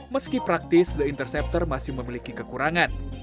meski praktis the interceptor masih memiliki kekurangan